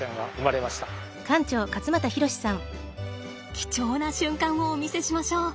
貴重な瞬間をお見せしましょう。